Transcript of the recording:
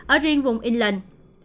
ở riêng vùng england